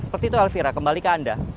seperti itu elvira kembali ke anda